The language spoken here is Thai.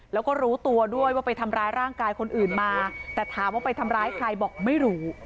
แล้วก็รู้ตัวด้วยว่าไปทำร้ายร่างกายคนอื่นมาแต่ถามว่าไปทำร้ายใครบอกไม่รู้